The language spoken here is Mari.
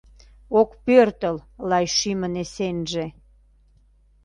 Ок пӧртыл лай шӱмын эсенже.